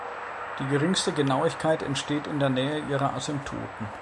Die geringste Genauigkeit entsteht in der Nähe ihrer Asymptoten.